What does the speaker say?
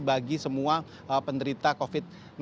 bagi semua penderita covid sembilan belas